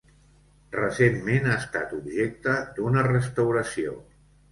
Recentment ha estat objecte d'una restauració.